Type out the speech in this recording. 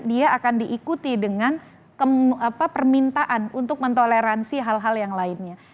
dia akan diikuti dengan permintaan untuk mentoleransi hal hal yang lainnya